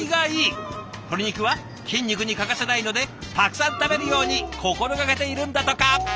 鶏肉は筋肉に欠かせないのでたくさん食べるように心がけているんだとか。